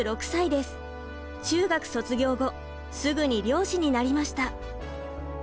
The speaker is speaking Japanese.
中学卒業後すぐに漁師になりました。